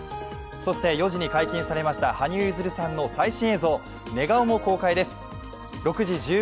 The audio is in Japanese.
そして４時に解禁されました羽生結弦さんの最新映像、寝顔も公開です。